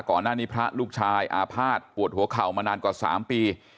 ก่อนหน้านี้พระลูกชายอาภาษณ์ปวดหัวเข่ามานานกว่า๓ปี